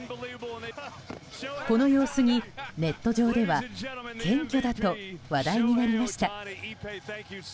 この様子にネット上では謙虚だと話題になりました。